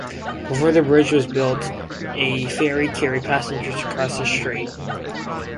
Before the bridge was built, a ferry carried passengers across the strait.